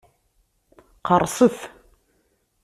Qerrset!